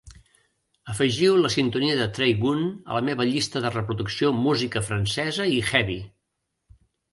Afegiu la sintonia de Trey Gunn a la meva llista de reproducció Música francesa i Heavy.